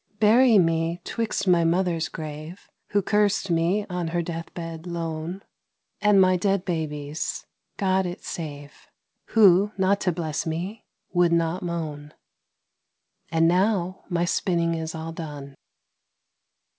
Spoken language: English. Bury me 'twixt my mother's grave, (Who cursed me on her death bed lone) And my dead baby's (God it save!) Who, not to bless me, would not moan. And now my spinning is all done.